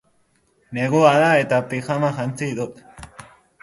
Negua da eta pijama jantzi dut.